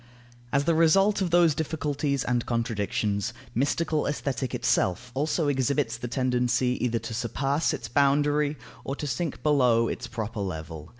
As the result of those difficulties and contradictions, mystical Aesthetic itself also exhibits the tendency, either to surpass its boundary, or to sink below its proper level.